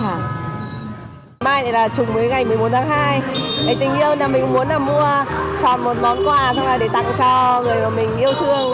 thông là để tặng cho người mà mình yêu thương